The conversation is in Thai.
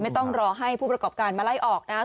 ต้องรอให้ผู้ประกอบการมาไล่ออกนะครับ